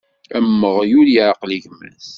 Amzeɣyul yeɛqel gma-s.